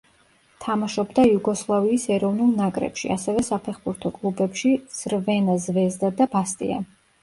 თამაშობდა იუგოსლავიის ეროვნულ ნაკრებში, ასევე საფეხბურთო კლუბებში: „ცრვენა ზვეზდა“ და „ბასტია“.